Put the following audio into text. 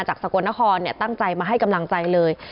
สกลนครตั้งใจมาให้กำลังใจเลย